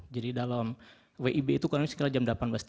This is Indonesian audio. jadi dalam wib itu kurang lebih sekitar jam delapan belas tiga puluh